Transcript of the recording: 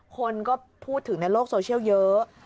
คนก็พูดถึงในโลกโซเชียลเยอะ